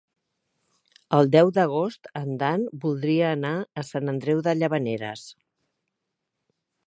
El deu d'agost en Dan voldria anar a Sant Andreu de Llavaneres.